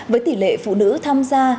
với tỷ lệ phụ nữ tham gia